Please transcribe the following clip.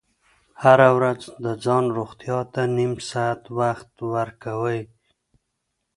هره ورځ د ځان روغتیا ته نیم ساعت وخت ورکوئ.